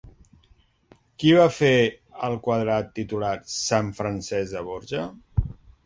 Qui va fer el quadre titulat Sant Francesc de Borja?